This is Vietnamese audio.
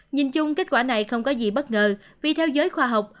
nhìn chung kết quả này không có gì bất ngờ vì theo giới khoa học